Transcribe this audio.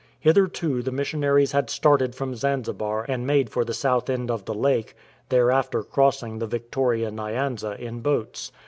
Hitherto the missionaries had started from Zanzibar and made for the south end of the lake, thereafter crossing the Victoria Nyanza in boats.